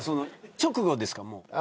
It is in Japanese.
直後ですか。